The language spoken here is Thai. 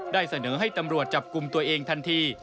ได้เสนอให้ตำรวจจับกลุ่มตัวเองทันที